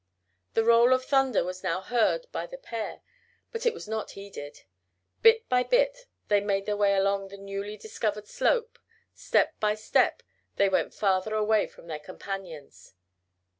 The roll of thunder was now heard by the pair but it was not heeded. Bit by bit they made their way along the newly discovered slope; step by step they went farther away from their companions.